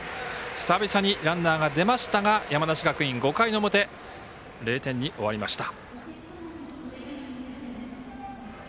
久々にランナーが出ましたが山梨学院、５回の表０点に終わりました。